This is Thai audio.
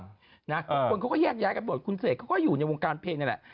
คนเขาก็แยกย้ายกันหมดคุณเสกเขาก็อยู่ในวงการเพลงนี่แหละ